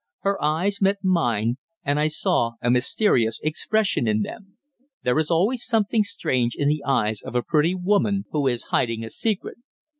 Her eyes met mine, and I saw a mysterious expression in them. There is always something strange in the eyes of a pretty woman who is hiding a secret.